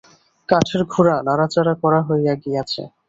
কাঠের ঘোড়া নাড়াচাড়া করা হইয়া গিয়াছে।